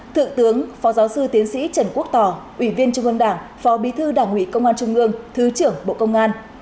thượng tướng phó giáo sư tiến sĩ trần quốc tỏ ủy viên trung ương đảng phó bí thư đảng ủy công an trung ương thứ trưởng bộ công an